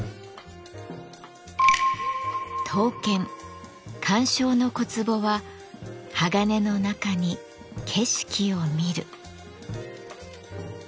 刀剣鑑賞の小壺は鋼の中に景色をみる。